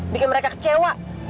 bikin mereka kecewa